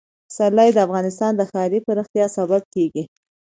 پسرلی د افغانستان د ښاري پراختیا سبب کېږي.